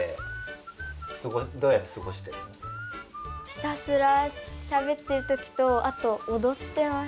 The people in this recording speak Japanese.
ひたすらしゃべってるときとあとおどってます。